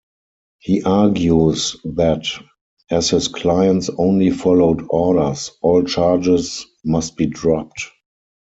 He argues that, as his clients only followed orders, all charges must be dropped.